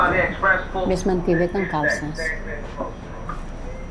Més mentider que en Calces.